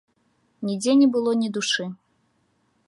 Нідзе не было ні душы.